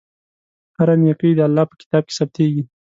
هره نېکۍ د الله په کتاب کې ثبتېږي.